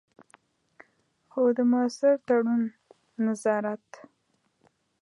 خو د مؤثر تړون، نظارت.